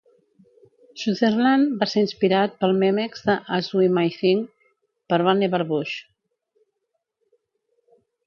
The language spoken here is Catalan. Sutherland va ser inspirat pel Memex de "As We May Think" per Vannevar Bush.